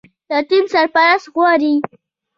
یتیم سرپرست غواړي